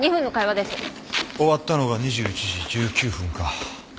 終わったのが２１時１９分か。